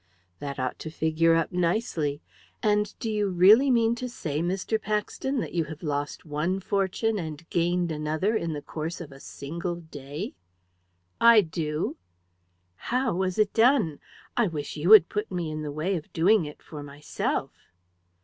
"That ought to figure up nicely. And do you really mean to say, Mr. Paxton, that you have lost one fortune and gained another in the course of a single day?" "I do." "How was it done? I wish you would put me in the way of doing it for myself."